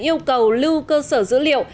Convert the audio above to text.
yêu cầu lưu cơ sở dữ liệu